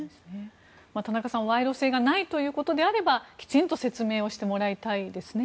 田中さん賄賂性がないということであればきちんと説明してもらいたいですね。